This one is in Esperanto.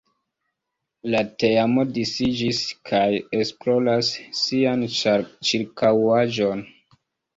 La teamo disiĝis kaj esploras sian ĉirkaŭaĵon.